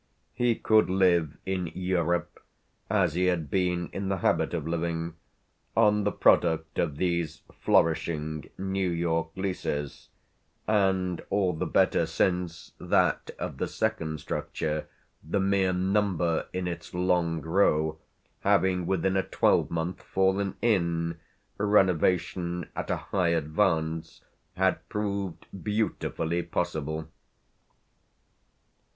He could live in "Europe," as he had been in the habit of living, on the product of these flourishing New York leases, and all the better since, that of the second structure, the mere number in its long row, having within a twelvemonth fallen in, renovation at a high advance had proved beautifully possible.